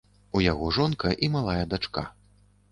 У яго жонка і малая дачка.